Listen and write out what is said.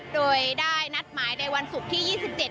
โดยได้นัดหมายในวันศุกร์ที่๒๗